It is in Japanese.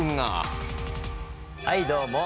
はいどうも。